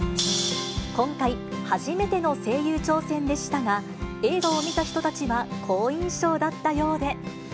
今回、初めての声優挑戦でしたが、映画を見た人たちは、好印象だったようで。